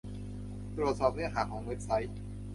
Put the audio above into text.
ตรวจสอบเนื้อหาของเว็บไซต์